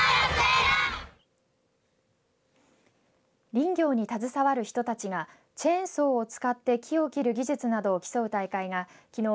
林業に携わる人たちがチェーンソーを使って木を切る技術などを競う大会がきのう